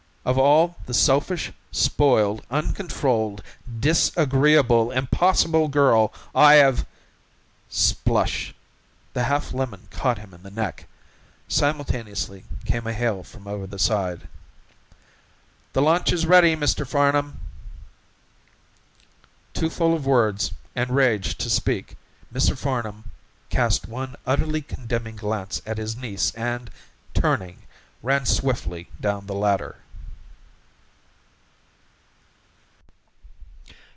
Of all the selfish, spoiled, uncontrolled disagreeable, impossible girl I have " Splush! The half lemon caught him in the neck. Simultaneously came a hail from over the side. "The launch is ready, Mr. Farnam." Too full of words and rage to speak, Mr. Farnam cast one utterly condemning glance at his niece and, turning, ran swiftly down the ladder.